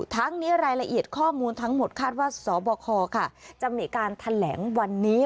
ทั้งนี้รายละเอียดข้อมูลทั้งหมดคาดว่าสบคจะมีการแถลงวันนี้